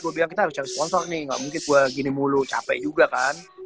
gue bilang kita harus cari sponsor nih gak mungkin gue gini mulu capek juga kan